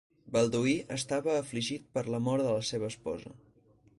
Balduí estava afligit per la mort de la seva esposa.